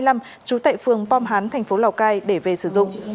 trú tại phường pom hán thành phố lào cai để về sử dụng